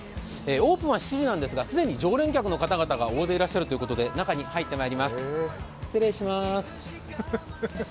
オープンは７時なんですがすでに常連客の方々が大勢いらっしゃるということで、中に入ってまいります。